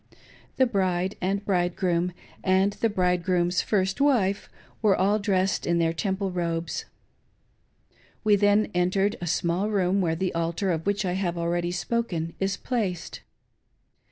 Xhe bride and bridegroom, and the bridegrqom's first wife, were all dressed in their Temple robes. We then entered a §mall room where the altar, of which I have already spoken, is placed.